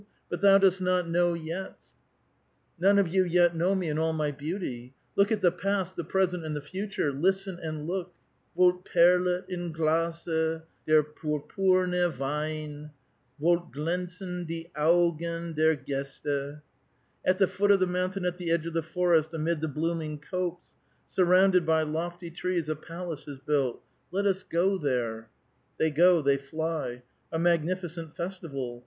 But thou dost not know yet; none of you yet know me in all my beaut}^ Look at the past, the present, and the future ! Listen and look :— Wohl perlet in Close der purpume Wein Wohl gliinzen die Augen der Gdste" At the foot of the mountain, at the edge of the forest, amid the blooming copse, surrounded by lofty ti*ees, a palace is built. '' Let us go there." They go, they fly. A magnificent festival.